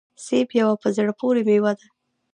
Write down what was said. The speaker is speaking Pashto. سيب يوه په زړه پوري ميوه ده